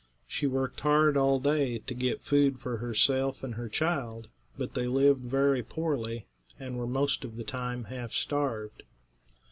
She worked hard all day to get food for herself and child, but they lived very poorly and were most of the time half starved.